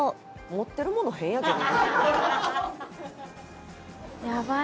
「持ってる物変やけど」